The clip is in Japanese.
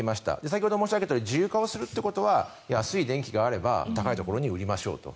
先ほど申し上げたように自由化するということは安い電気があれば高いところに売りましょうと。